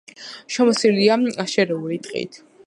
შემოსილია შერეული ტყით.